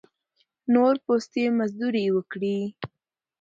تور پوستي مزدوري وکړي.